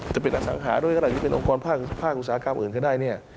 จะเป็นอสังหาด้วยก็ได้หรือเป็นองค์กรภาคอุตสาหกรรมอื่นก็ได้เนี่ย